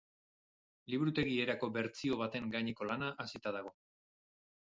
Liburutegi erako bertsio baten gaineko lana hasita dago.